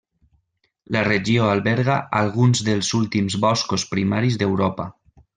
La regió alberga alguns dels últims boscos primaris d'Europa.